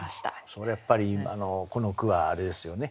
それやっぱり今のこの句はあれですよね